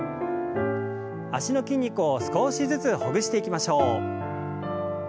脚の筋肉を少しずつほぐしていきましょう。